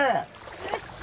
よっしゃ！